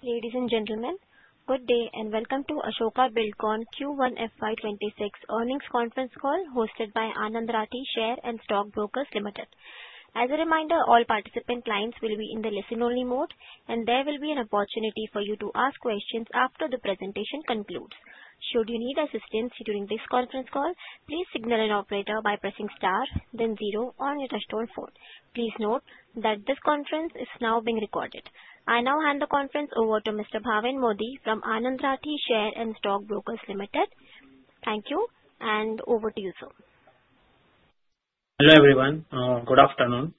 Ladies and gentlemen, good day and welcome to Ashoka Buildcon Q1 FY 2026 earnings conference call hosted by Anand Rathi Share and Stock Brokers Limited. As a reminder, all participant lines will be in the listen-only mode, and there will be an opportunity for you to ask questions after the presentation concludes. Should you need assistance during this conference call, please signal an operator by pressing star, then zero on your touch-tone phone. Please note that this conference is now being recorded. I now hand the conference over to Mr. Bhavin Modi from Anand Rathi Share and Stock Brokers Limited. Thank you, and over to you, sir. Hello everyone, good afternoon.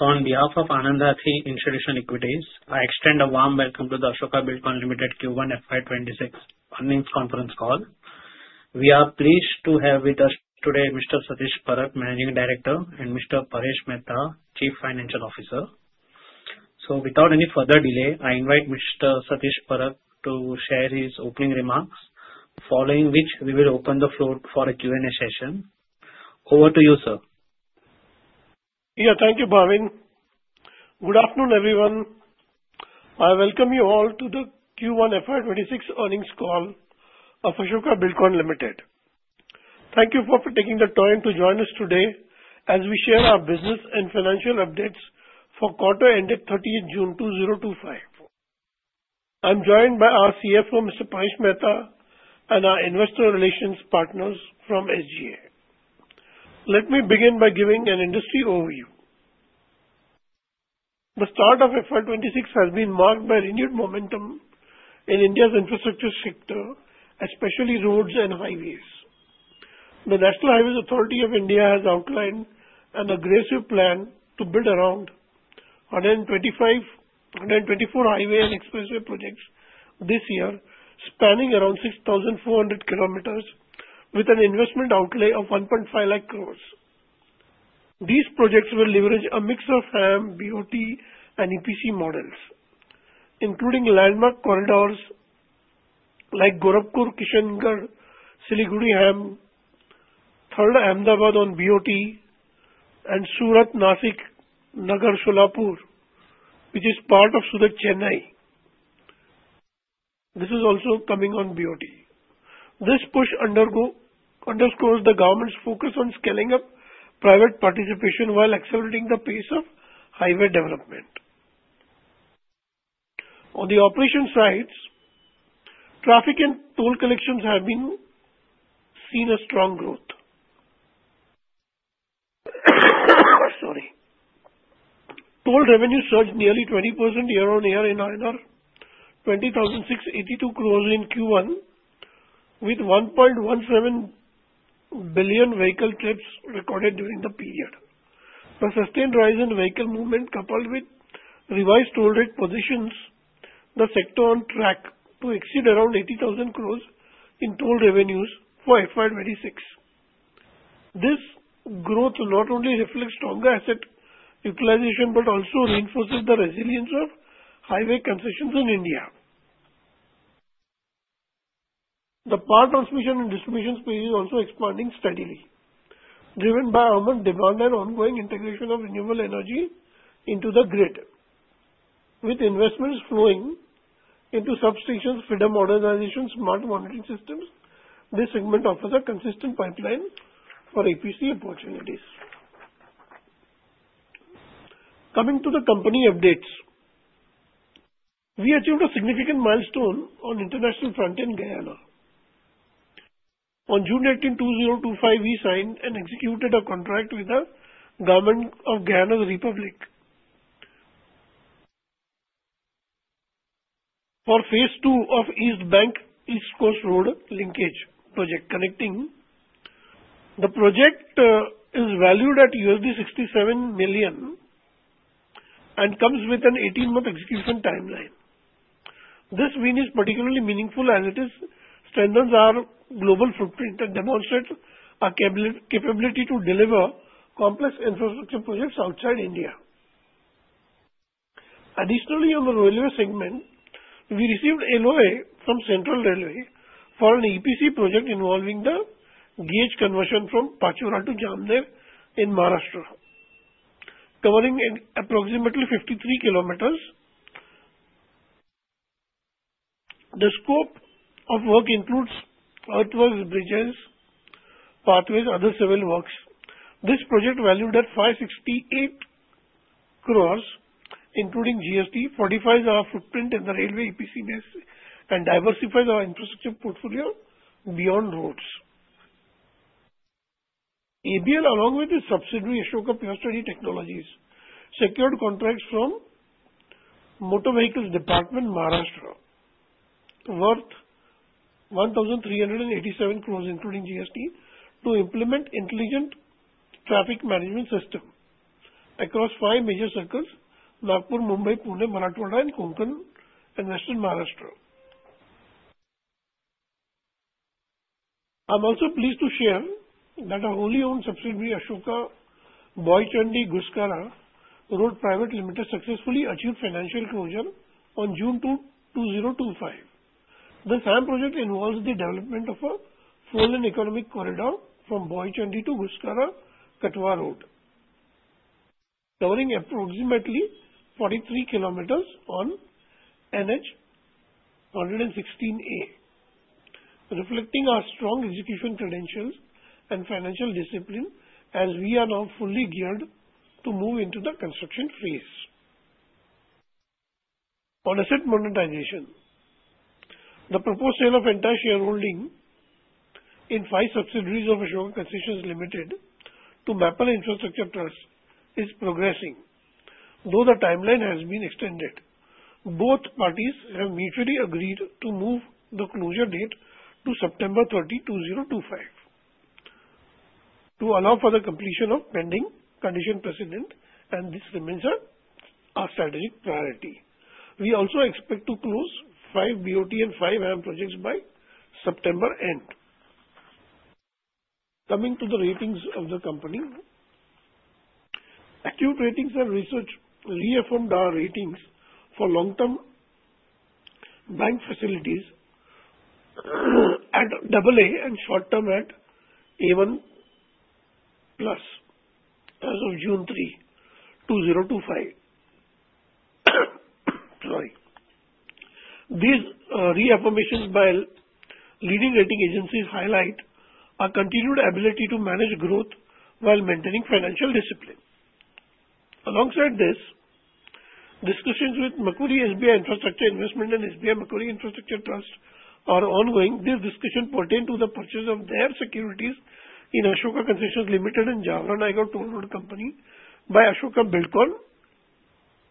On behalf of Anand Rathi Institutional Equities, I extend a warm welcome to the Ashoka Buildcon Limited Q1FY26 earnings conference call. We are pleased to have with us today Mr. Satish Parakh, Managing Director, and Mr. Paresh Mehta, Chief Financial Officer. Without any further delay, I invite Mr. Satish Parakh to share his opening remarks, following which we will open the floor for a Q&A session. Over to you, sir. Yeah, thank you, Bhavin. Good afternoon, everyone. I welcome you all to the Q1 FY 2026 earnings call of Ashoka Buildcon Limited. Thank you for taking the time to join us today as we share our business and financial updates for quarter-ending 30th June 2025. I'm joined by our CFO, Mr. Paresh Mehta, and our Investor Relations partners from SGA. Let me begin by giving an industry overview. The start of FY 2026 has been marked by renewed momentum in India's infrastructure sector, especially roads and highways. The National Highways Authority of India has outlined an aggressive plan to build around 124 highway and expressway projects this year, spanning around 6,400 kilometers, with an investment outlay of 1.5 lakh crore. These projects will leverage a mix of HAM, BOT, and EPC models, including landmark corridors like Gorakhpur-Kishanganj-Siliguri HAM, Tharad-Ahmedabad on BOT, and Surat-Nashik-Ahmednagar-Solapur, which is part of Surat-Chennai. This is also coming on BOT. This push underscores the government's focus on scaling up private participation while accelerating the pace of highway development. On the operation sides, traffic and toll collections have been seeing a strong growth. Toll revenues surged nearly 20% year-on-year in INR 20,682 crore in Q1, with 1.17 billion vehicle trips recorded during the period. The sustained rise in vehicle movement, coupled with revised toll rate positions, has set the sector on track to exceed around 80,000 crore in toll revenues for FY 2026. This growth not only reflects stronger asset utilization but also reinforces the resilience of highway concessions in India. The power transmission and distribution space is also expanding steadily, driven by urban demand and ongoing integration of renewable energy into the grid. With investments flowing into substations, feeder modernizations, and smart monitoring systems, this segment offers a consistent pipeline for EPC opportunities. Coming to the company updates, we achieved a significant milestone on the international front in Guyana. On June 18, 2025, we signed and executed a contract with the Government of Guyana Republic for Phase 2 of the East Bank-East Coast Road Linkage project connecting. The project is valued at $67 million and comes with an 18-month execution timeline. This win is particularly meaningful as it strengthens our global footprint and demonstrates our capability to deliver complex infrastructure projects outside India. Additionally, on the Railway segment, we received a LOA from Central Railway for an EPC project involving the Gauge conversion from Pachora to Jamner in Maharashtra, covering approximately 53 km. The scope of work includes earthworks, bridges, pathways, and other civil works. This project valued at 568 crore, including GST, fortifies our footprint in the railway EPC base and diversifies our infrastructure portfolio beyond roads. ABL, along with its subsidiary Ashoka Purestudy Technologies, secured contracts from the Motor Vehicles Department, Maharashtra, worth 1,387 crore, including GST, to implement an intelligent traffic management system across five major circles: Nagpur, Mumbai, Pune, Marathwada, and Konkan, and Western Maharashtra. I'm also pleased to share that our wholly-owned subsidiary, Ashoka Bowaichandi Guskara Road Limited, successfully achieved financial closure on June 2, 2025. This HAM project involves the development of a four-lane economic corridor from Bowaichandi to Guskara-Katwa Road, covering approximately 43 km on NH 116A, reflecting our strong execution credentials and financial discipline, as we are now fully geared to move into the construction phase. On asset monetization, the proposed sale of entire shareholding in five subsidiaries of Ashoka Concessions Limited to Maple Infrastructure Trust is progressing, though the timeline has been extended. Both parties have mutually agreed to move the closure date to September 30, 2025, to allow for the completion of pending condition precedent, and this remains our strategic priority. We also expect to close five BOT and five HAM projects by September end. Coming to the ratings of the company, Acuité Ratings & Research reaffirmed our ratings for long-term bank facilities at AA and short-term at A1+ as of June 3, 2025. These reaffirmations by leading rating agencies highlight our continued ability to manage growth while maintaining financial discipline. Alongside this, discussions with SBI Macquarie Infrastructure Investment and SBI Macquarie Infrastructure Trust are ongoing. This discussion pertains to the purchase of their securities in Ashoka Concessions Limited and Jaora-Nayagaon Toll Road Company by Ashoka Buildcon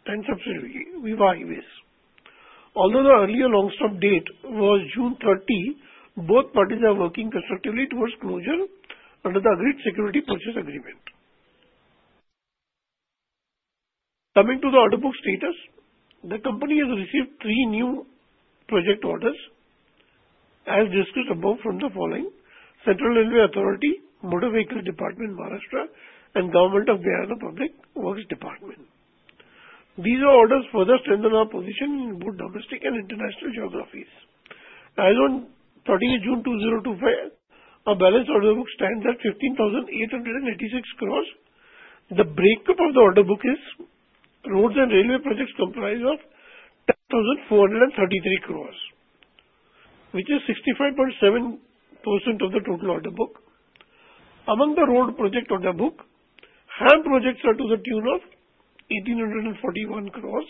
and subsidiary Viva Highways. Although the earlier long-stop date was June 30, both parties are working constructively towards closure under the agreed security purchase agreement. Coming to the order book status, the company has received three new project orders, as discussed above from the following: Central Railway Authority, Motor Vehicles Department, Maharashtra, and Government of Guyana, Public Works Department. These orders further strengthen our position in both domestic and international geographies. As of 30 June 2025, our balance order book stands at 15,886 crore. The breakup of the order book is roads and railway projects comprised of 10,433 crore, which is 65.7% of the total order book. Among the road project order book, HAM projects are to the tune of 1,841 crore,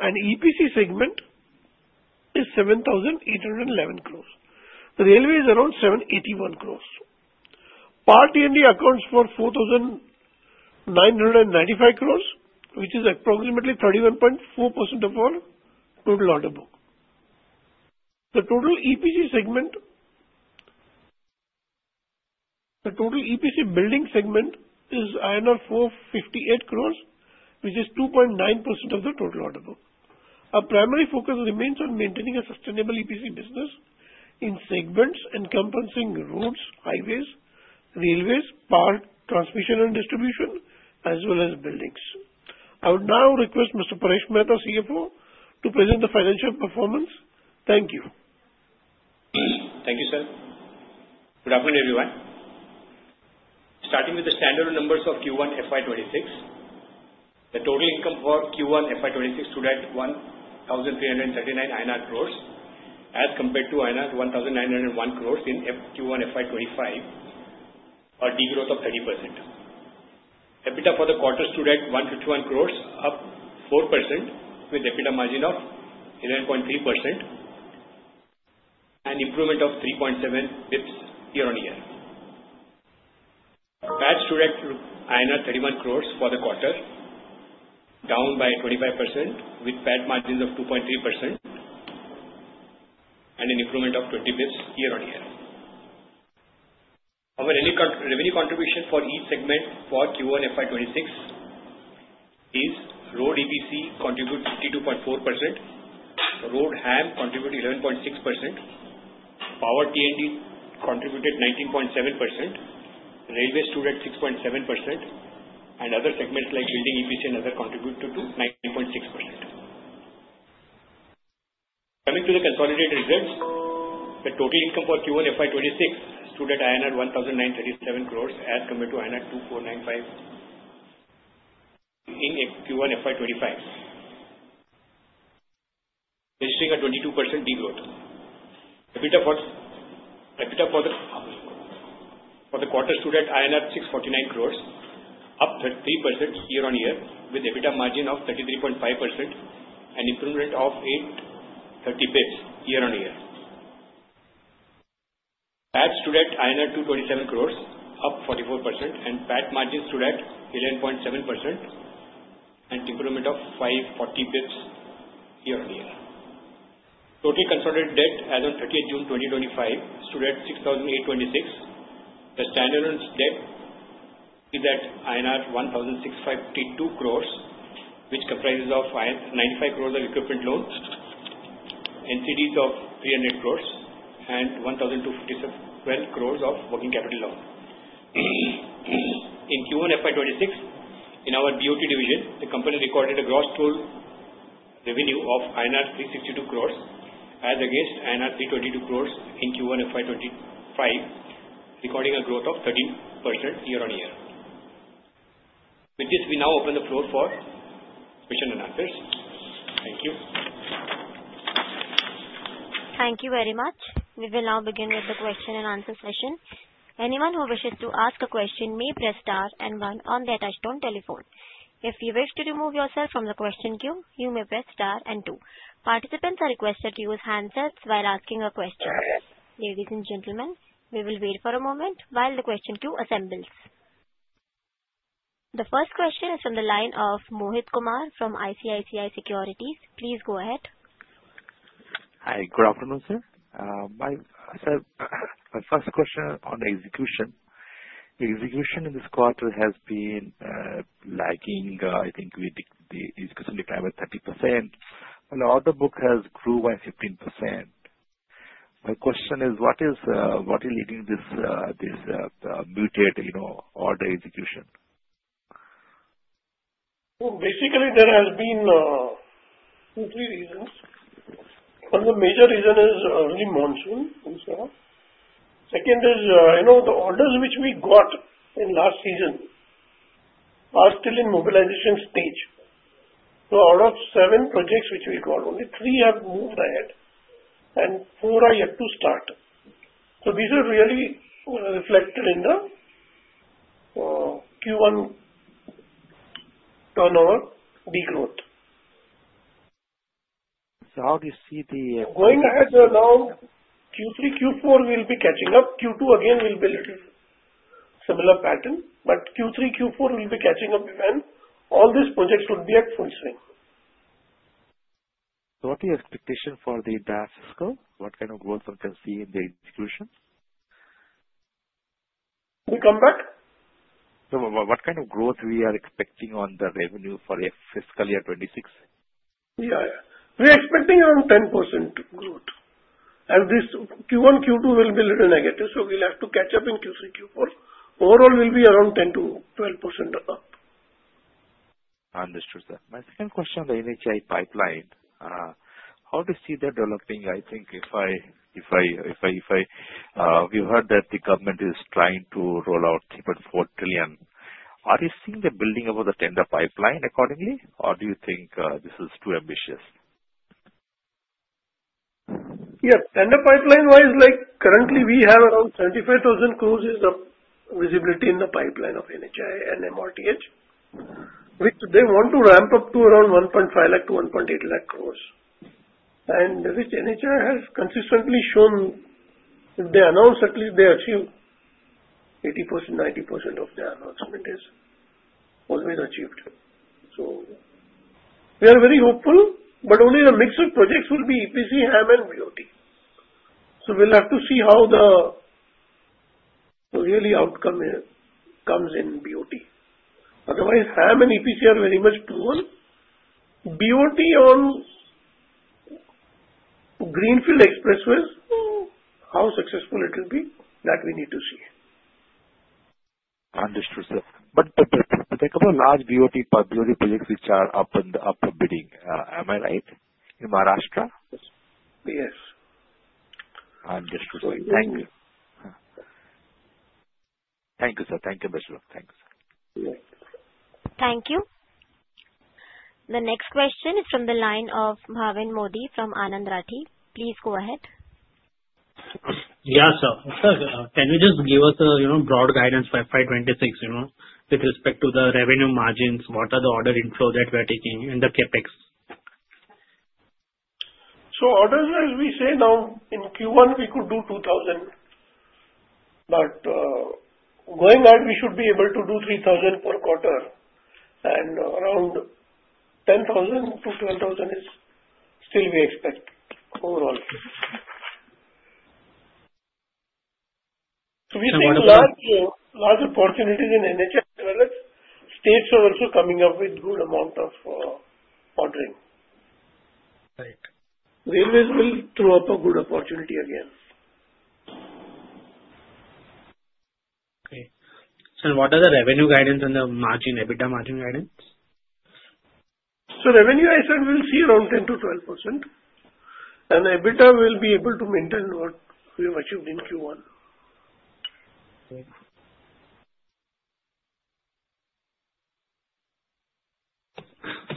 and EPC segment is 7,811 crore. Railway is around 781 crore. Power T&D accounts for 4,995 crore, which is approximately 31.4% of our total order book. The total EPC segment, the total EPC building segment is INR 458 crore, which is 2.9% of the total order book. Our primary focus remains on maintaining a sustainable EPC business in segments encompassing Roads, Highways, Railways, Power Transmission and Distribution, as well as Buildings. I would now request Mr. Paresh Mehta, CFO, to present the financial performance. Thank you. Thank you, sir. Good afternoon, everyone. Starting with the standard numbers of Q1 FY 2026, the total income for Q1 FY 2026 stood at 1,339 crore INR as compared to INR 1,901 crore in Q1 FY 2025, a degrowth of 30%. EBITDA for the quarter stood at 151 crore, up 4%, with EBITDA margin of 11.3% and an improvement of [370 bps] year-on-year. PAT stood at INR 31 crore for the quarter, down by 25%, with PAT margins of 2.3% and an improvement of 20 bps year-on-year. Our revenue contribution for each segment for Q1 FY 2026 is Road EPC contributed 52.4%, Road HAM contributed 11.6%, Power T&D contributed 19.7%, Railway stood at 6.7%, and other segments like Building EPC and Others contributed to 9.6%. Coming to the consolidated results, the total income for Q1 FY 2026 stood at INR 1,937 crore as compared to INR 2,495 in Q1 FY 2025, registering a 22% degrowth. EBITDA for the quarter stood at INR 649 crore, up 3% year-on-year, with EBITDA margin of 33.5% and an improvement of 830 basis points year-on-year. PAT stood at INR 227 crore, up 44%, and PAT margin stood at 11.7% and an improvement of 540 basis points year-on-year. Total consolidated debt as of 30 June 2025 stood at 6,826 crore. The standalone debt is at INR 1,652 crore, which comprises 95 crore of equipment loan, NCDs of 300 crore, and 1,257 crore of working capital loan. In Q1 FY 2026, in our BOT division, the company recorded a gross total revenue of INR 362 crore as against INR 322 crore in Q1 FY 2025, recording a growth of 13% year-on-year. With this, we now open the floor for questions and answers. Thank you. Thank you very much. We will now begin with the question and answer session. Anyone who wishes to ask a question may press star and one on the touch-tone telephone. If you wish to remove yourself from the question queue, you may press star and two. Participants are requested to use handsets while asking a question. Ladies and gentlemen, we will wait for a moment while the question queue assembles. The first question is from the line of Mohit Kumar from ICICI Securities. Please go ahead. Hi, good afternoon, sir. My first question on execution. Execution in this quarter has been lagging. I think we decreased the time by 30%. The order book has grown by 15%. My question is, what is leading this muted order execution? Basically, there have been two or three reasons. The major reason is early monsoon. Second is the orders which we got in last season are still in mobilization stage. Out of seven projects which we got, only three have moved ahead and four are yet to start. So these are really reflected in the Q1 turnover degrowth. So how do you see the? Going ahead, now Q3, Q4 will be catching up. Q2 again will be a little similar pattern, but Q3, Q4 will be catching up when all these projects would be at full swing. What are your expectations for the past fiscal? What kind of growth we can see in the execution? Can you come back? What kind of growth are we expecting on the revenue for fiscal year 26? Yeah, we're expecting around 10% growth. As Q1, Q2 will be a little negative, so we'll have to catch up in Q3, Q4. Overall, we'll be around 10%-12% up. Understood, sir. My second question on the NHAI pipeline. How do you see that developing? I think if I, we've heard that the government is trying to roll out 3.4 trillion. Are you seeing the building of the tender pipeline accordingly, or do you think this is too ambitious? Yeah, tender pipeline-wise, currently we have around 75,000 crore of visibility in the pipeline of NHAI and MoRTH, which they want to ramp up to around 1.5 lakh crore-1.8 lakh crore, and which NHAI has consistently shown, if they announce at least they achieve 80%-90% of the announcement is always achieved, so we are very hopeful, but only a mix of projects will be EPC, HAM, and BOT, so we'll have to see how the real outcome comes in BOT. Otherwise, HAM and EPC are very much proven. BOT on greenfield expressways, how successful it will be, that we need to see. Understood, sir. But there are a couple of large BOT projects which are up and bidding. Am I right? In Maharashtra? Yes. Understood, sir. Thank you. Thank you, sir. Thank you, Mr. Thank you, sir. Thank you. The next question is from the line of Bhavin Modi from Anand Rathi. Please go ahead. Yes, sir. Sir, can you just give us a broad guidance for FY 2026 with respect to the revenue margins? What are the order inflows that we are taking in the CapEx? So orders-wise, we say now in Q1 we could do 2,000 crore. But going ahead, we should be able to do 3,000 crore per quarter. And around 10,000 crore-12,000 crore is still we expect overall. So we see large opportunities in NHAI as well as states are also coming up with a good amount of ordering. Right. Railways will throw up a good opportunity again. Okay. Sir, what are the revenue guidance and the margin, EBITDA margin guidance? So revenue, I said, we'll see around 10%-12%. And EBITDA will be able to maintain what we have achieved in Q1.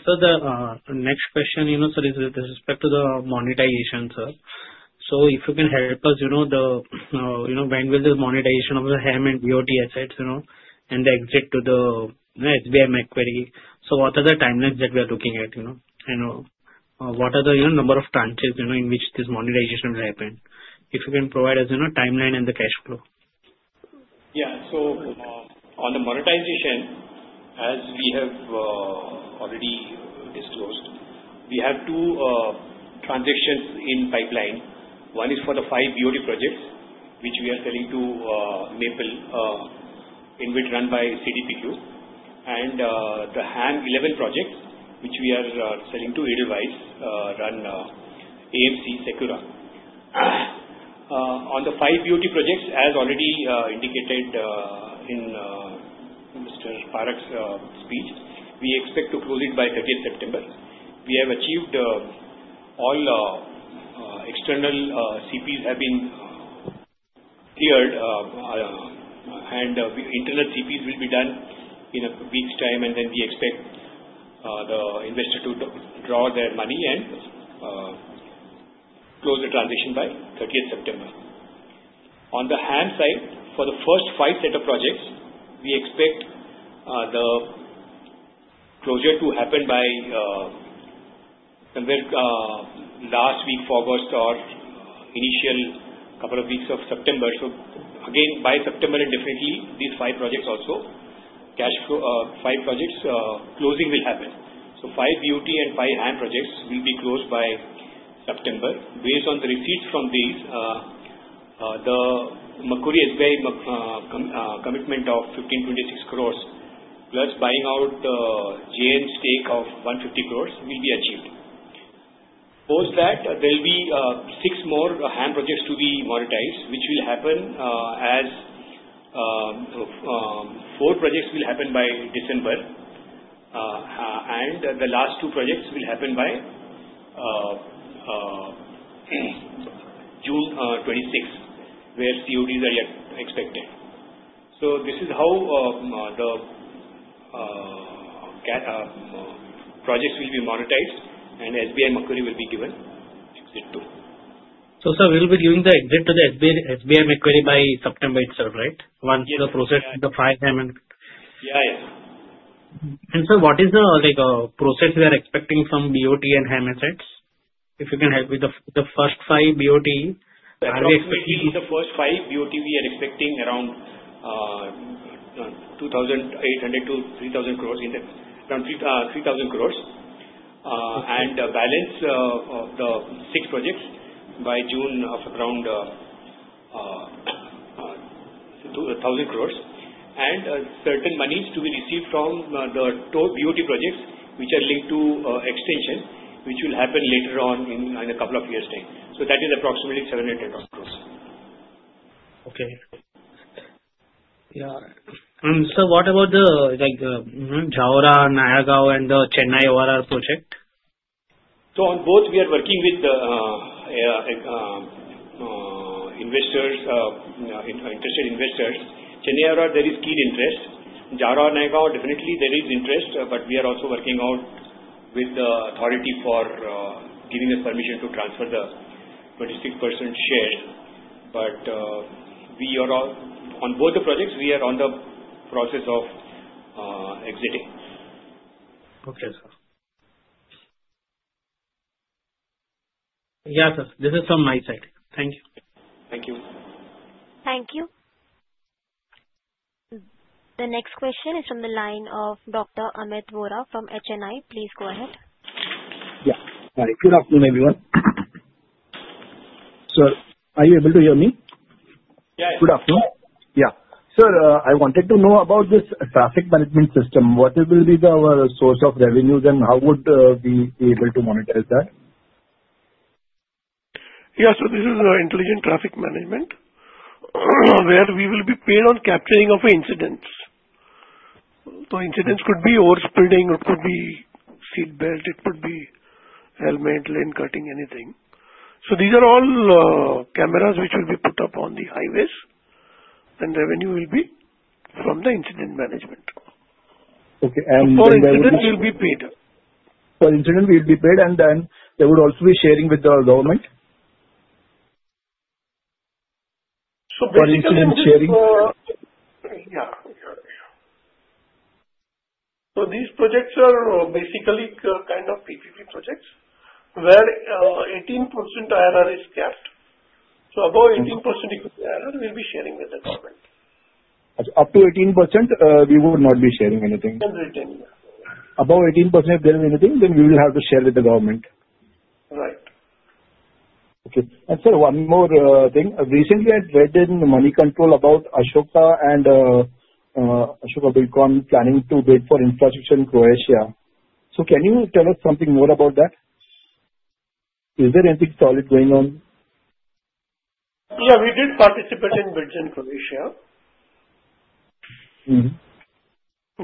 So the next question, sir, is with respect to the monetization, sir. So if you can help us, when will the monetization of the HAM and BOT assets and the exit to the SBI Macquarie? So what are the timelines that we are looking at? And what are the number of tranches in which this monetization will happen? If you can provide us a timeline and the cash flow. Yeah. So on the monetization, as we have already disclosed, we have two transactions in pipeline. One is for the five BOT projects, which we are selling to Maple, which is run by CDPQ. And the 11 HAM projects, which we are selling to Edelweiss-run AMC Sekura. On the five BOT projects, as already indicated in Mr. Parakh's speech, we expect to close it by 30th September. We have achieved all external CPs have been cleared, and internal CPs will be done in a week's time. And then we expect the investor to draw their money and close the transaction by 30th September. On the HAM side, for the first five set of projects, we expect the closure to happen by last week of August, or initial couple of weeks of September. So again, by September, definitely these five projects also, five projects closing will happen. Five BOT and five HAM projects will be closed by September. Based on the receipts from these, the SBI Macquarie commitment of 1,526 crore, plus buying out the JN stake of 150 crore, will be achieved. Post that, there will be six more HAM projects to be monetized, which will happen as four projects will happen by December. The last two projects will happen by June 2026, where CODs are expected. This is how the projects will be monetized, and SBI Macquarie will be given exit to. So sir, we'll be giving the exit to the SBI Macquarie by September itself, right? Once the process with the five HAM and. Yeah, yeah. Sir, what is the process we are expecting from BOT and HAM assets? If you can help with the first five BOT, are we expecting? The first five BOT, we are expecting around 2,800 crore-3,000 crore, around 3,000 crore. And the balance of the six projects by June of around 1,000 crore. And certain monies to be received from the BOT projects, which are linked to extension, which will happen later on in a couple of years' time. So that is approximately 700 crore-800 crore. Okay. Yeah. Sir, what about the Jaora-Nayagaon and Chennai Outer Ring Road project? So on both, we are working with the investors, interested investors. Chennai ORR, there is keen interest. Jaora and Nayagaon, definitely there is interest, but we are also working out with the authority for giving us permission to transfer the 26% share. But on both the projects, we are on the process of exiting. Okay, sir. Yes, sir. This is from my side. Thank you. Thank you. Thank you. The next question is from the line of Dr. Amit Vora from HNI. Please go ahead. Yeah. Good afternoon, everyone. Sir, are you able to hear me? Yeah. Good afternoon. Yeah. Sir, I wanted to know about this traffic management system. What will be our source of revenue, and how would we be able to monetize that? Yeah. So this is intelligent traffic management, where we will be paid on capturing of incidents. So incidents could be overspeeding, it could be seat belt, it could be helmet, lane cutting, anything. So these are all cameras which will be put up on the highways, and revenue will be from the incident management. Okay. And. For incidents, we'll be paid. For incidents, we'll be paid, and then they would also be sharing with the government. So basically. For incident sharing. Yeah. So these projects are basically kind of PPP projects, where 18% IRR is capped. So above 18%, we'll be sharing with the government. Up to 18%, we would not be sharing anything. Above 18%, if there is anything, then we will have to share with the government. Right. Okay. And, sir, one more thing. Recently, I read in MoneyControl about Ashoka and Ashoka Buildcon planning to bid for infrastructure in Croatia. So can you tell us something more about that? Is there anything solid going on? Yeah. We did participate in bids in Croatia.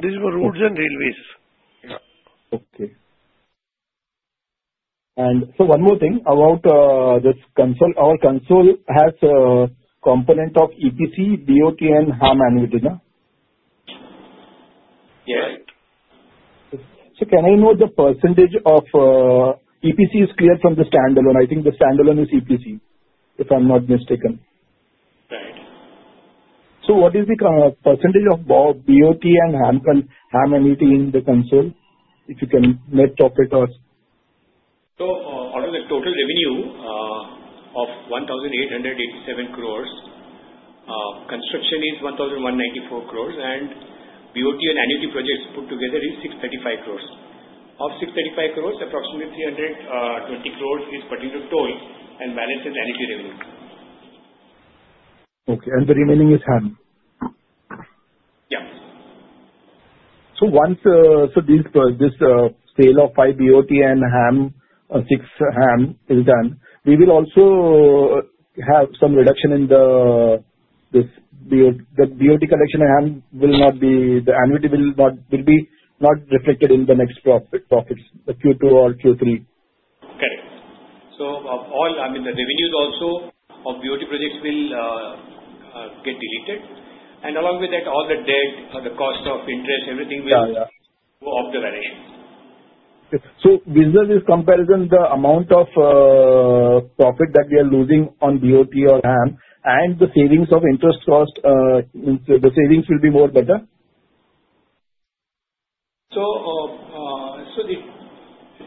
These were roads and railways. Okay. And sir, one more thing about this project. Our project has a component of EPC, BOT, and HAM annuity, right? Yes. So can I know the percentage of EPC is cleared from the standalone? I think the standalone is EPC, if I'm not mistaken. Right. So what is the percentage of BOT and HAM annuity in the consol, if you can net of it or? Out of the total revenue of 1,887 crore, construction is 1,194 crore, and BOT and annuity projects put together is 635 crore. Of 635 crore, approximately 320 crore is coming from toll and balance is annuity revenue. Okay, and the remaining is HAM? Yeah. So, once this sale of five BOT and HAM, six HAM is done, we will also have some reduction in the BOT collection. HAM will not be, the annuity will not be reflected in the next profits, Q2 or Q3. Correct. So all, I mean, the revenues also of BOT projects will get deleted. And along with that, all the debt, the cost of interest, everything will be off the balance sheet. So is there this comparison, the amount of profit that we are losing on BOT or HAM and the savings of interest cost, the savings will be more better? So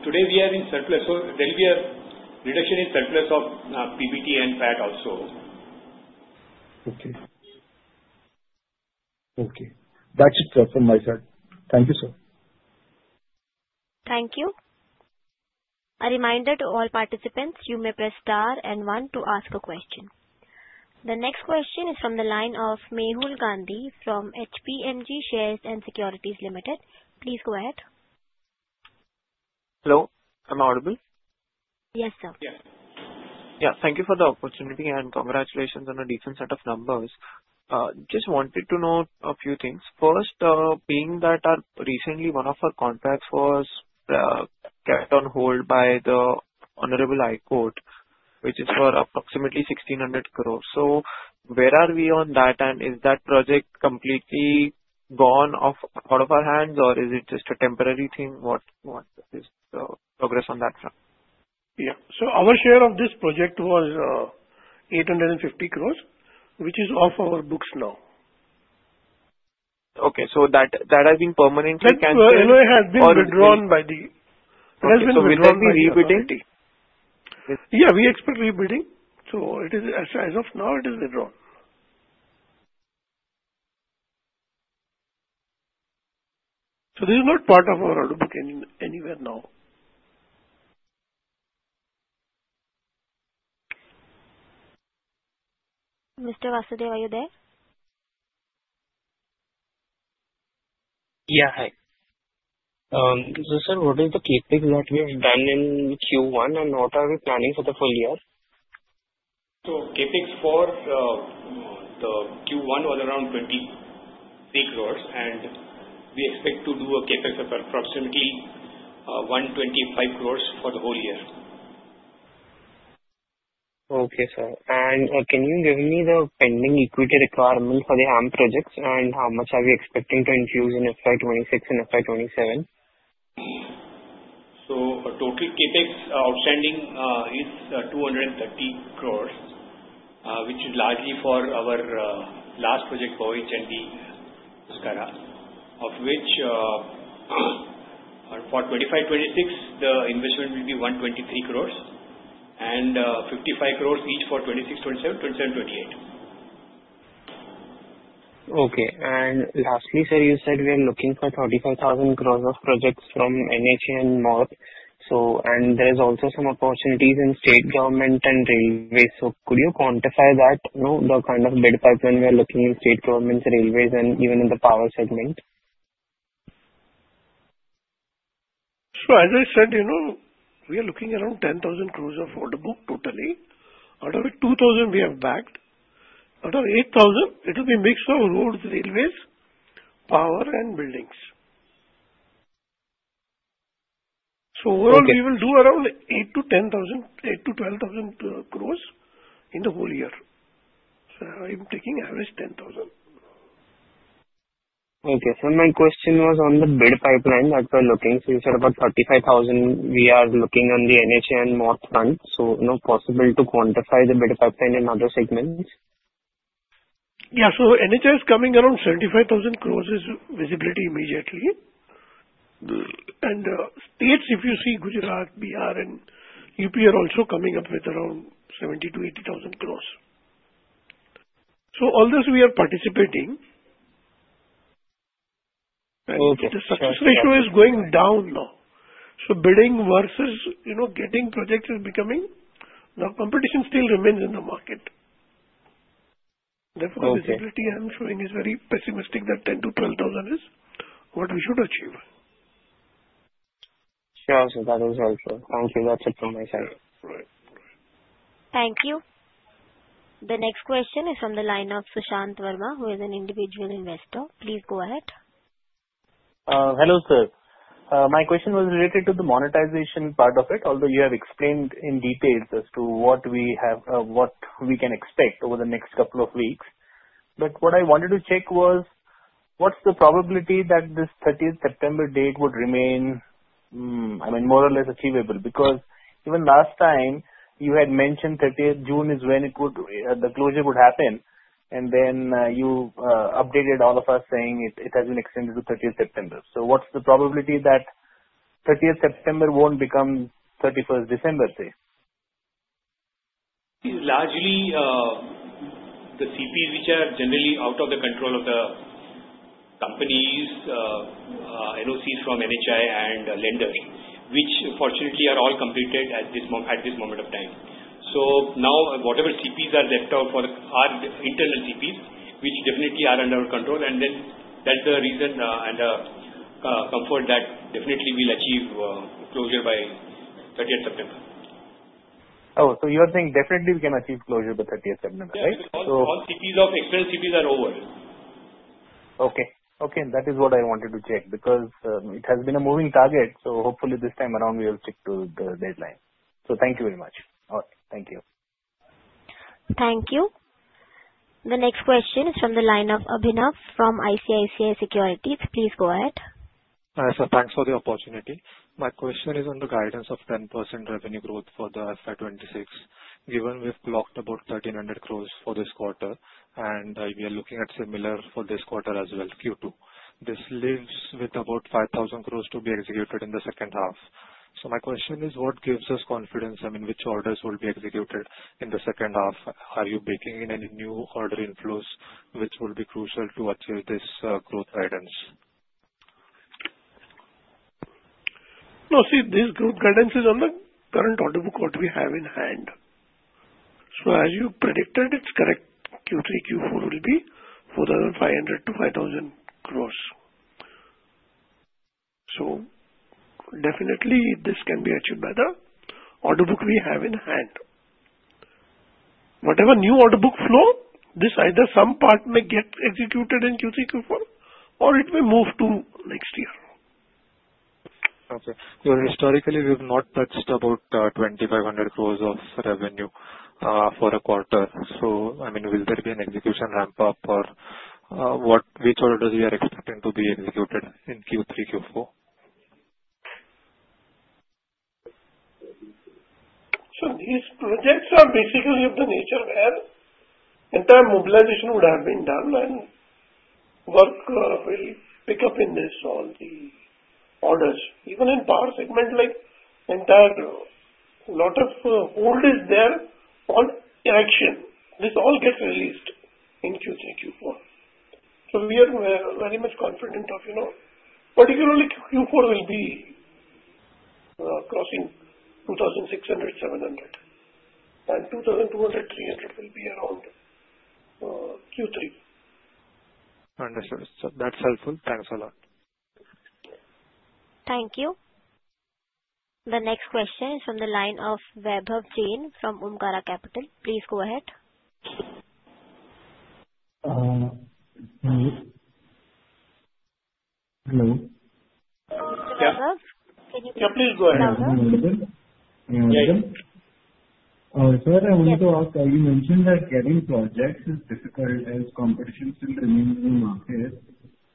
today we are in surplus. So there will be a reduction in surplus of PBT and PAT also. Okay. Okay. That's it from my side. Thank you, sir. Thank you. A reminder to all participants, you may press star and one to ask a question. The next question is from the line of Mehul Gandhi from HPMG Shares and Securities Limited. Please go ahead. Hello. Am I audible? Yes, sir. Yeah. Thank you for the opportunity and congratulations on a decent set of numbers. Just wanted to know a few things. First, being that recently one of our contracts was kept on hold by the Honorable High Court, which is for approximately 1,600 crore. So where are we on that? And is that project completely gone out of our hands, or is it just a temporary thing? What is the progress on that front? Yeah, so our share of this project was 850 crore, which is off our books now. Okay, so that has been permanently canceled? That share has been withdrawn by the. So will that be rebidding? Yeah. We expect rebidding. So as of now, it is withdrawn. So this is not part of our outlook anywhere now. Mr. Mehul, are you there? Yeah. Hi. So sir, what is the CapEx that we have done in Q1, and what are we planning for the full year? CapEx for Q1 was around 23 crore, and we expect to do a CapEx of approximately 125 crore for the whole year. Okay, sir. And can you give me the pending equity requirement for the HAM projects, and how much are we expecting to infuse in FY 2026 and FY 2027? Total CapEx outstanding is 230 crore, which is largely for our last project, Bowaichandi-Guskara, of which for 2025-2026, the investment will be 123 crore, and 55 crore each for 2026-2027, 2027-2028. Okay. And lastly, sir, you said we are looking for 35,000 crore of projects from NHAI and more. And there are also some opportunities in state government and railways. So could you quantify that, the kind of bid pipeline we are looking in state governments, railways, and even in the power segment? Sure. As I said, we are looking around 10,000 crore of order book totally. Out of it, 2,000 crore we have booked. Out of 8,000 crore, it will be a mix of roads, railways, power, and buildings. So overall, we will do around 8,000 crore-10,000 crore, 8,000 crore-12,000 crore in the whole year. So I'm taking average 10,000 crore. Okay. So my question was on the bid pipeline that we're looking. So you said about 35,000 we are looking on the NHAI and MoRTH front. So possible to quantify the bid pipeline in other segments? Yeah. So NHAI is coming around 75,000 crore is visibility immediately. And states, if you see Gujarat, BR, and UP are also coming up with around 70,000 crore-80,000 crore. So all those we are participating. And the success ratio is going down now. So bidding versus getting projects is becoming the competition still remains in the market. Therefore, the visibility I'm showing is very pessimistic that 10,000 crore- 12,000 crore is what we should achieve. Sure. So that is also. Thank you. That's it from my side. Right. Right. Right. Thank you. The next question is from the line of Sushant Verma, who is an individual investor. Please go ahead. Hello, sir. My question was related to the monetization part of it, although you have explained in detail as to what we can expect over the next couple of weeks. But what I wanted to check was what's the probability that this 30th September date would remain, I mean, more or less achievable? Because even last time, you had mentioned 30th June is when the closure would happen, and then you updated all of us saying it has been extended to 30th September. So what's the probability that 30th September won't become 31st December, say? It's largely the CPs, which are generally out of the control of the companies, NOCs from NHAI and lenders, which fortunately are all completed at this moment of time. So now, whatever CPs are left out for our internal CPs, which definitely are under our control, and then that's the reason and comfort that definitely we'll achieve closure by 30th September. Oh, so you are saying definitely we can achieve closure by 30th September, right? All CPs of external CPs are over. Okay. Okay. That is what I wanted to check because it has been a moving target. So hopefully this time around, we will stick to the deadline. So thank you very much. All right. Thank you. Thank you. The next question is from the line of Abhinav from ICICI Securities. Please go ahead. Yes, sir. Thanks for the opportunity. My question is on the guidance of 10% revenue growth for the FY 2026, given we've blocked about 1,300 crore for this quarter, and we are looking at similar for this quarter as well, Q2. This leaves with about 5,000 crore to be executed in the second half. So my question is, what gives us confidence, I mean, which orders will be executed in the second half? Are you baking in any new order inflows which will be crucial to achieve this growth guidance? No, see, this growth guidance is on the current order book what we have in hand. So as you predicted, it's correct. Q3, Q4 will be 4,500 crore-5,000 crore. So definitely, this can be achieved by the order book we have in hand. Whatever new order book flow, this either some part may get executed in Q3, Q4, or it may move to next year. Okay. Historically, we have not touched about 2,500 crore of revenue for a quarter. So I mean, will there be an execution ramp-up, or which orders we are expecting to be executed in Q3, Q4? Sure. These projects are basically of the nature where entire mobilization would have been done, and work will pick up in this, all the orders. Even in power segment, like entire lot of hold is there on election. This all gets released in Q3, Q4. So we are very much confident of particularly Q4 will be crossing 2,600 crore-2700 crore, and 2,200 crore-300 crore will be around Q3. Understood. That's helpful. Thanks a lot. Thank you. The next question is from the line of Vaibhav Jain from Omkara Capital. Please go ahead. Hello. Yeah. Yeah. Please go ahead. Yeah. Sir, I wanted to ask, you mentioned that getting projects is difficult as competition still remains in the market.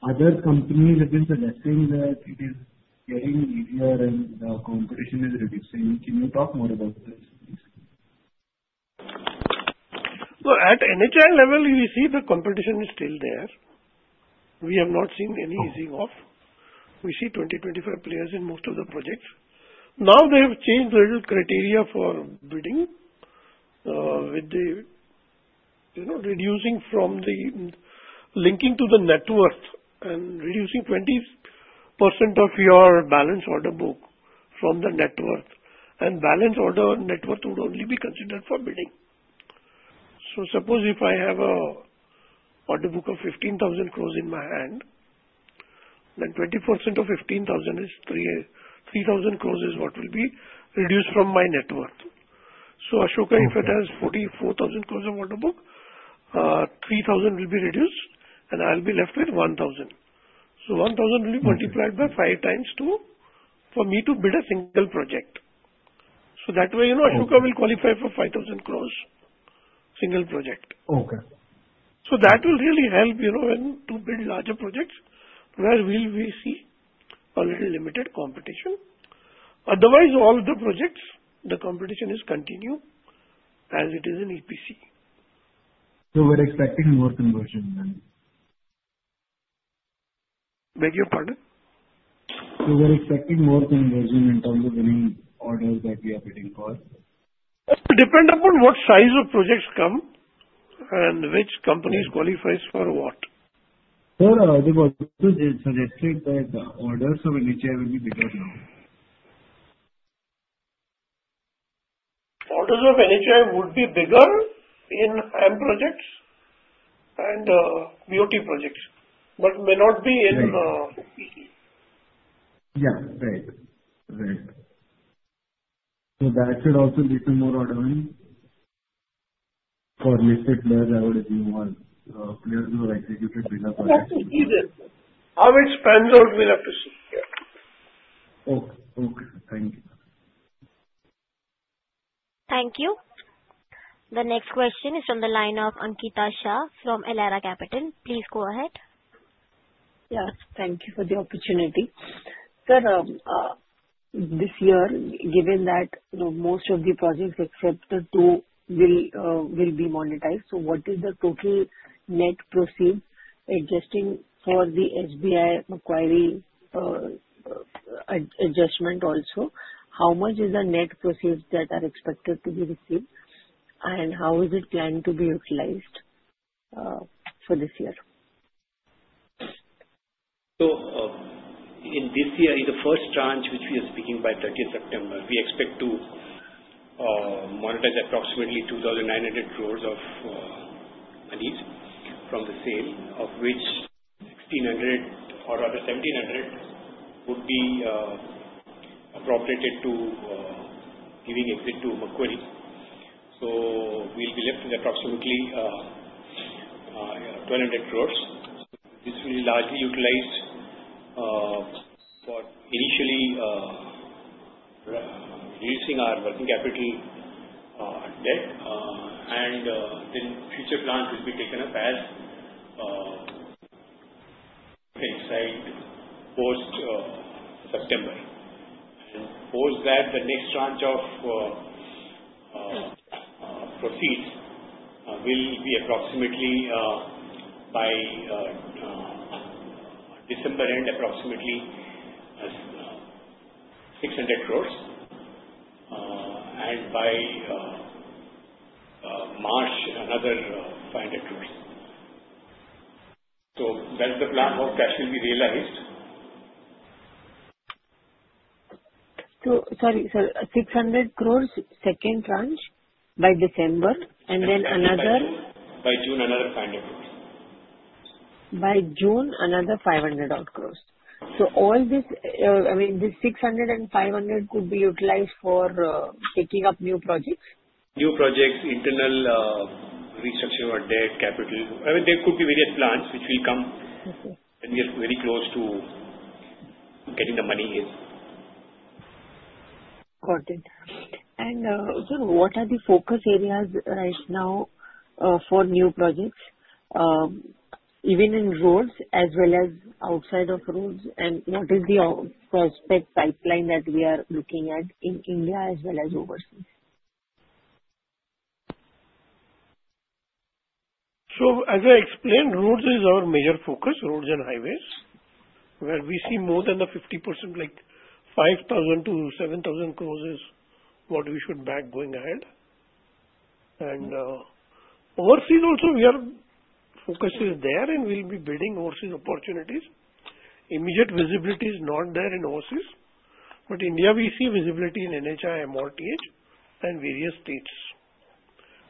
Other companies have been suggesting that it is getting easier and the competition is reducing. Can you talk more about this, please? At NHAI level, you see the competition is still there. We have not seen any easing off. We see 25 players in most of the projects. Now they have changed the criteria for bidding with the reducing from the linking to the net worth and reducing 20% of your balance order book from the net worth. Balance order net worth would only be considered for bidding. Suppose if I have an order book of INR crore15,000 crore in my hand, then 20% of 15,000 crore is 3,000 crore, is what will be reduced from my net worth. Ashoka, if it has 44,000 crore of order book, 3,000 crore will be reduced, and I'll be left with 1,000 crore. 1,000 crore will be multiplied by 5x to for me to bid a single project. That way, Ashoka will qualify for 5,000 crore single project. Okay. So that will really help when to bid larger projects where we will see a little limited competition. Otherwise, all the projects, the competition is continue as it is in EPC. So we're expecting more conversion then? Beg your pardon? So we're expecting more conversion in terms of any orders that we are bidding for? Depends upon what size of projects come and which companies qualify for what. Sir, the audit suggested that orders of NHAI will be bigger now. Orders of NHAI would be bigger in HAM projects and BOT projects, but may not be in EPC. Yeah. Right. Right. So that should also lead to more ordering for listed players that would be more players who have executed bigger projects. That's easier. How it spans out, we'll have to see. Yeah. Okay. Okay. Thank you. Thank you. The next question is from the line of Ankita Shah from Elara Capital. Please go ahead. Yes. Thank you for the opportunity. Sir, this year, given that most of the projects except the two will be monetized, so what is the total net proceeds adjusting for the SBI Macquarie adjustment also? How much is the net proceeds that are expected to be received, and how is it planned to be utilized for this year? So in this year, in the first tranche, which we are speaking by 30th September, we expect to monetize approximately 2,900 crore of monies from the sale, of which 1,600 crore or 1,700 crore would be appropriated to giving exit to Macquarie. So we'll be left with approximately 1,200 crore. This will be largely utilized for initially reducing our working capital debt, and then future plans will be taken up as is post-September. Post that, the next tranche of proceeds will be approximately INR 600 crore by December end, and by March, another INR 500 crore. That's the plan how cash will be realized. So sorry, sir, 600 crore second tranche by December, and then another. By June, another 500 crore. By June, another 500 crore. So all this, I mean, this 600 and 500 could be utilized for picking up new projects? New projects, internal restructuring of debt, capital. I mean, there could be various plans which will come when we are very close to getting the money in. Got it. And sir, what are the focus areas right now for new projects, even in roads as well as outside of roads, and what is the prospect pipeline that we are looking at in India as well as overseas? So as I explained, roads is our major focus, roads and highways, where we see more than 50%, like 5,000 crore-7,000 crore is what we should back going ahead. And overseas also, we are focused there, and we'll be building overseas opportunities. Immediate visibility is not there in overseas, but in India, we see visibility in NHAI, MoRTH, and various states.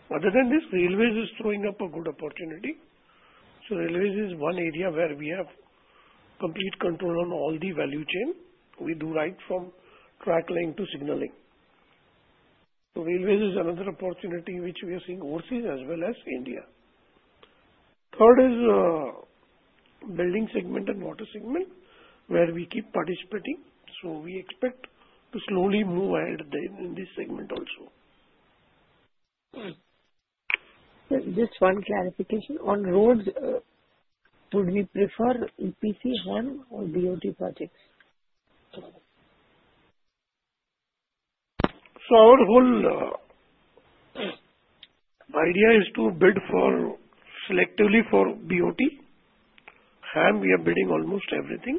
Other than this, railways is throwing up a good opportunity. So railways is one area where we have complete control on all the value chain. We do right from track link to signaling. So railways is another opportunity which we are seeing overseas as well as India. Tharad is building segment and water segment, where we keep participating. So we expect to slowly move ahead in this segment also. Just one clarification. On roads, would we prefer EPC, HAM, or BOT projects? So our whole idea is to bid selectively for BOT. HAM, we are bidding almost everything,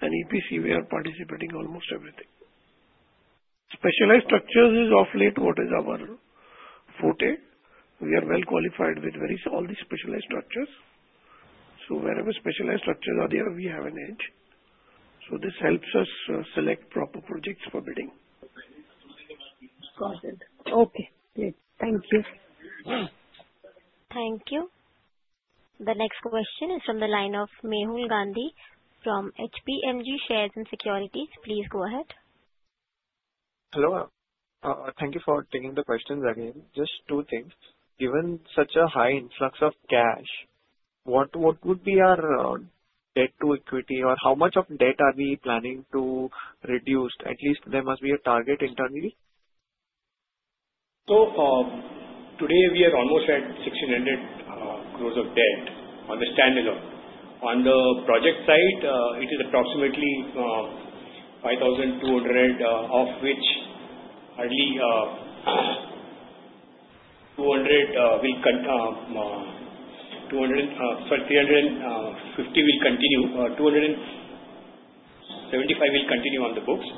and EPC, we are participating almost everything. Specialized structures is, of late, what is our forte. We are well qualified with all the specialized structures. So wherever specialized structures are there, we have an edge. So this helps us select proper projects for bidding. Got it. Okay. Great. Thank you. Thank you. The next question is from the line of Mehul Gandhi from HPMG Shares and Securities. Please go ahead. Hello. Thank you for taking the questions again. Just two things. Given such a high influx of cash, what would be our debt to equity, or how much of debt are we planning to reduce? At least there must be a target internally. Today, we are almost at 1,600 crore of debt on the standalone. On the project side, it is approximately INR 5,200 crore, of which INR 275 crore will continue on the books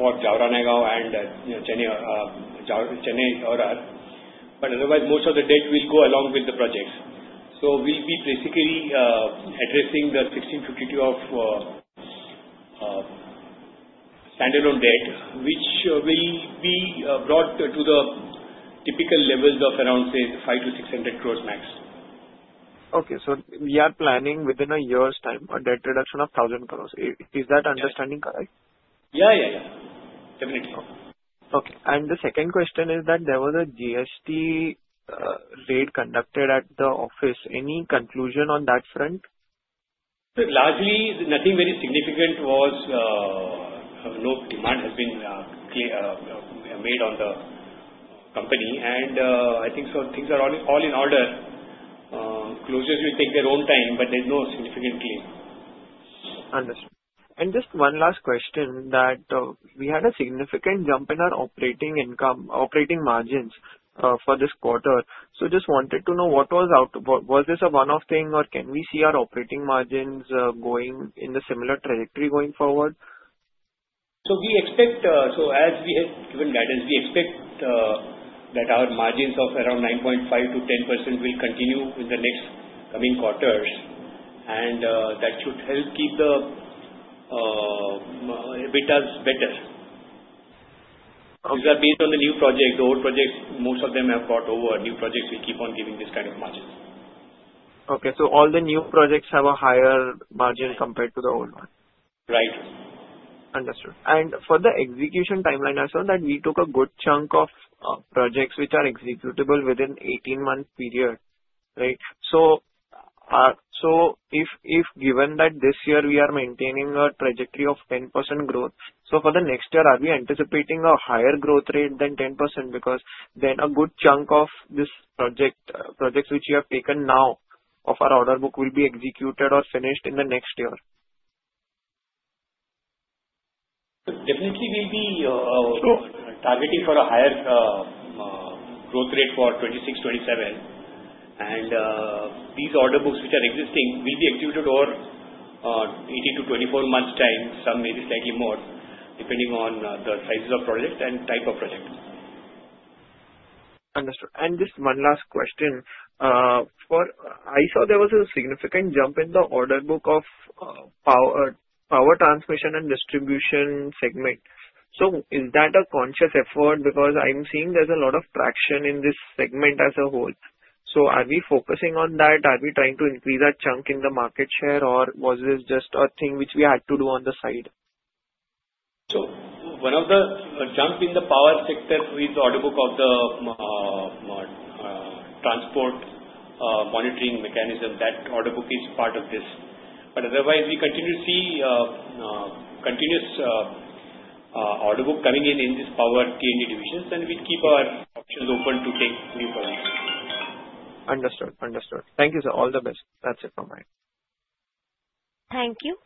for Jaora-Nayagaon and Chennai ORR. But otherwise, most of the debt will go along with the projects. We'll be basically addressing the 1,650 crore of standalone debt, which will be brought to the typical levels of around, say, 500 crore-600 crore max. Okay. So we are planning within a year's time a debt reduction of 1,000 crore. Is that understanding correct? Yeah. Yeah. Yeah. Definitely. Okay. And the second question is that there was a GST raid conducted at the office. Any conclusion on that front? So largely, nothing very significant. No demand has been made on the company. And I think so, things are all in order. Closures will take their own time, but there's no significant claim. Understood, and just one last question. We had a significant jump in our operating margins for this quarter, so just wanted to know what was this a one-off thing, or can we see our operating margins going in the similar trajectory going forward? As we have given guidance, we expect that our margins of around 9.5%-10% will continue in the next coming quarters. That should help keep the EBITDAs better. These are based on the new project. The old projects, most of them have brought over. New projects will keep on giving this kind of margins. Okay. So all the new projects have a higher margin compared to the old ones? Right. Understood, and for the execution timeline, I saw that we took a good chunk of projects which are executable within 18-month period. Right? So given that this year we are maintaining a trajectory of 10% growth, so for the next year, are we anticipating a higher growth rate than 10%? Because then a good chunk of these projects which we have taken now of our order book will be executed or finished in the next year? Definitely, we'll be targeting for a higher growth rate for 2026, 2027, and these order books which are existing will be executed over 18-24 months' time, some maybe slightly more, depending on the sizes of project and type of project. Understood, and just one last question. I saw there was a significant jump in the order book of power transmission and distribution segment, so is that a conscious effort? Because I'm seeing there's a lot of traction in this segment as a whole, so are we focusing on that? Are we trying to increase that chunk in the market share, or was this just a thing which we had to do on the side? So, one of the jumps in the power sector with the order book of the transport monitoring mechanism. That order book is part of this. But otherwise, we continue to see continuous order book coming in in these Power T&D divisions, and we keep our options open to take new projects. Understood. Understood. Thank you. All the best. That's it from my end. Thank you.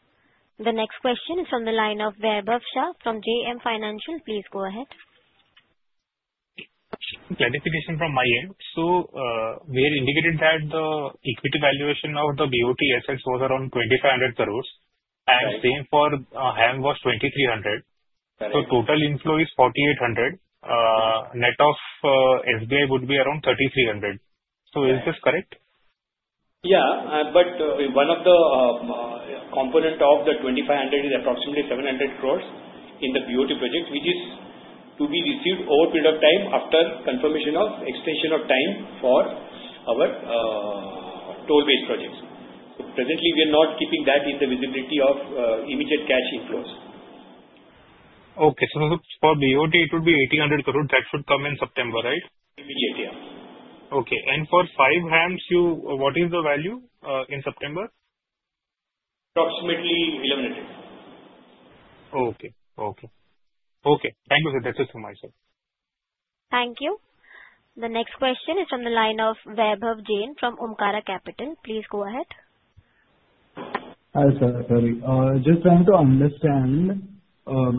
The next question is from the line of Vaibhav Shah from JM Financial. Please go ahead. Clarification from my end. So we had indicated that the equity valuation of the BOT assets was around 2,500 crore, and same for HAM was 2,300 crore. So total inflow is 4,800 crore. Net of SBI would be around 3,300 crore. So is this correct? Yeah. But one of the components of the 2,500 is approximately 700 crore in the BOT project, which is to be received over a period of time after confirmation of extension of time for our toll-based projects. So presently, we are not keeping that in the visibility of immediate cash inflows. Okay. So for BOT, it would be 1,800 crore that should come in September, right? Immediate, yeah. Okay, and for five HAMs, what is the value in September? Approximately 1,100. Okay. Thank you, sir. That's it from my side. Thank you. The next question is from the line of Vaibhav Jain from Omkara Capital. Please go ahead. Hi, sir. Sorry. Just trying to understand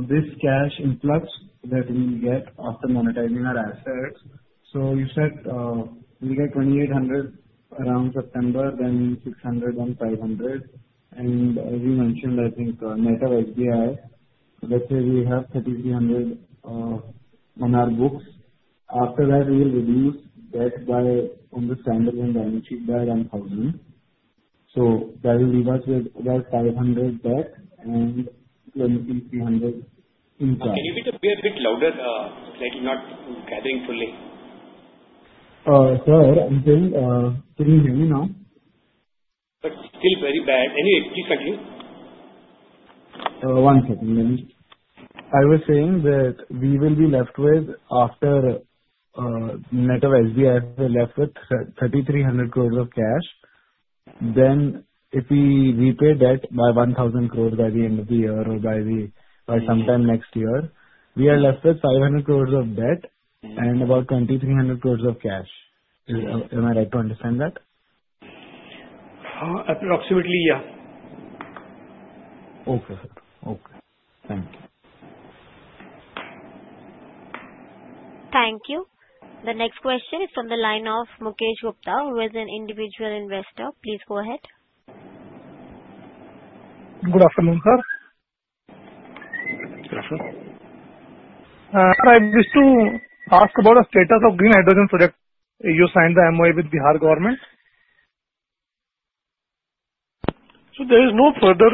this cash influx that we will get after monetizing our assets. So you said we'll get 2,800 crore around September, then 600 crore and 500 crore. And as you mentioned, I think net of SBI, let's say we have 3,300 crore on our books. After that, we will reduce debt by, on the standalone balance sheet, by around 1,000 crore. So that will leave us with about 500 crore debt and 2,300 crore in cash. Can you be a bit louder? Slightly not gathering fully. Sir, I'm still hearing you now. But still very bad. Anyway, please continue. One second. I was saying that we will be left with after net of SBI, we're left with 3,300 crore of cash. Then if we repay debt by 1,000 crore by the end of the year or by sometime next year, we are left with 500 crore of debt and about 2,300 crore of cash. Am I right to understand that? Approximately, yeah. Okay, sir. Okay. Thank you. Thank you. The next question is from the line of Mukesh Gupta, who is an individual investor. Please go ahead. Good afternoon, sir. Good afternoon. Sir, I wish to ask about the status of green hydrogen project. You signed the MOU with Bihar government? So there is no further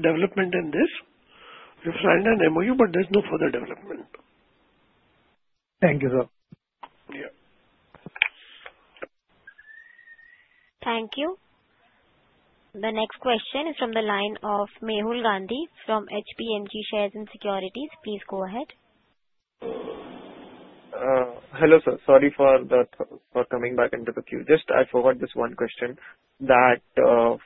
development in this. We've signed an MOU, but there's no further development. Thank you, sir. Yeah. Thank you. The next question is from the line of Mehul Gandhi from HPMG Shares and Securities. Please go ahead. Hello, sir. Sorry for coming back into the queue. Just, I forgot this one question. That,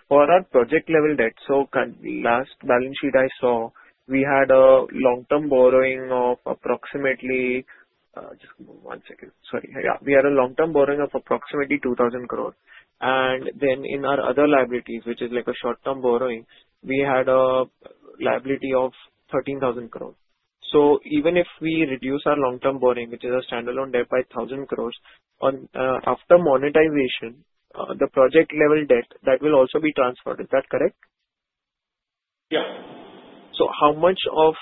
for our project-level debt, so last balance sheet I saw, we had a long-term borrowing of approximately 2,000 crore. And then in our other liabilities, which is like a short-term borrowing, we had a liability of 13,000 crore. So even if we reduce our long-term borrowing, which is our standalone debt, by 1,000 crore after monetization, the project-level debt, that will also be transferred. Is that correct? Yeah. So how much of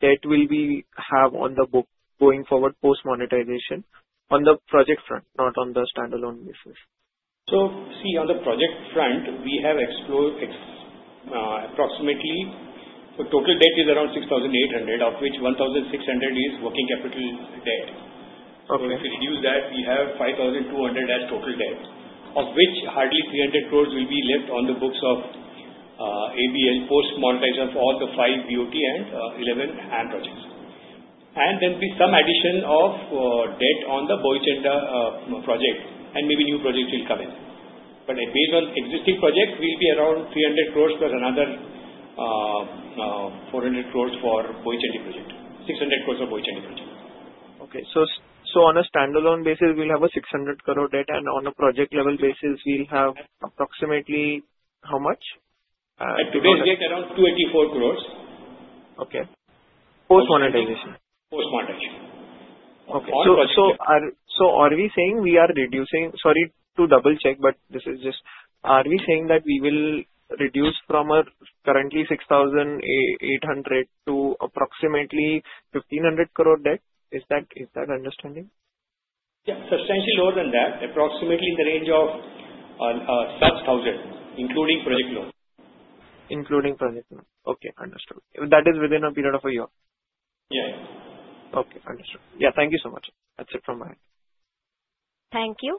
debt will we have on the books going forward post-monetization on the project front, not on the standalone basis? So see, on the project front, we have approximately the total debt is around 6,800, of which 1,600 is working capital debt. If we reduce that, we have 5,200 as total debt, of which hardly 300 crore will be left on the books of ABL post-monetization of all the five BOT and 11 HAM projects. And then there'll be some addition of debt on the Bowaichandi project, and maybe new projects will come in. But based on existing projects, we'll be around 300 crore plus another 400 crore for Bowaichandi project, 600 crore for Bowaichandi project. Okay. So on a standalone basis, we'll have 600 crore debt, and on a project-level basis, we'll have approximately how much? At today's date, around 284 crore. Okay. Post-monetization? Post-monetization. Okay. Sorry to double-check, but this is just are we saying that we will reduce from current 6,800 crore to approximately 1,500 crore debt? Is that understanding? Yeah. Substantially lower than that, approximately in the range of sub-1,000, including project loan. Including project loan. Okay. Understood. That is within a period of a year? Yeah. Okay. Understood. Yeah. Thank you so much. That's it from my end. Thank you.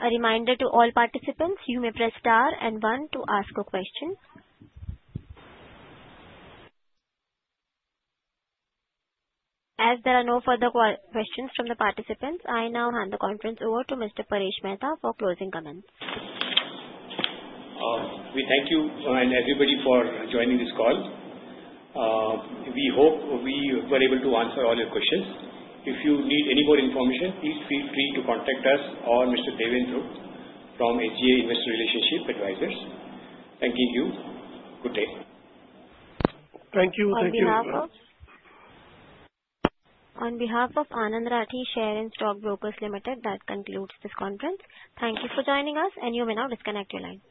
A reminder to all participants, you may press star and one to ask a question. As there are no further questions from the participants, I now hand the conference over to Mr. Paresh Mehta for closing comments. We thank you and everybody for joining this call. We hope we were able to answer all your questions. If you need any more information, please feel free to contact us or Mr. Deven Dhruva from SGA Investor Relationship Advisors. Thank you. Good day. Thank you. Thank you. On behalf of Anand Rathi Share and Stock Brokers Limited, that concludes this conference. Thank you for joining us, and you may now disconnect your line.